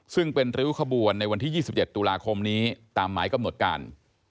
ซึ่งเป็นริ้วขบวนในวันที่๒๗ตุลาคมนี้ตามหมายกำหนดการ